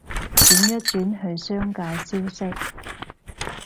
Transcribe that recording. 轉一轉去商界消息